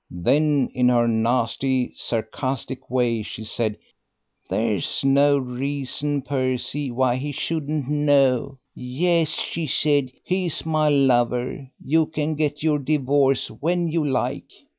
Then, in her nasty sarcastic way, she said, 'There's no reason, Percy, why he shouldn't know. Yes,' she said, 'he is my lover; you can get your divorce when you like.'